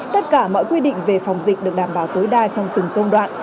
tất cả mọi quy định về phòng dịch được đảm bảo tối đa trong từng công đoạn